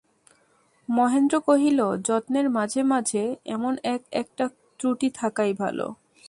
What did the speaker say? মহেন্দ্র কহিল, যত্নের মাঝে মাঝে এমন এক-একটা ত্রুটি থাকাই ভালো।